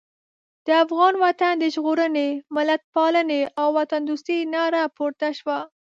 د افغان وطن د ژغورنې، ملتپالنې او وطندوستۍ ناره پورته شوه.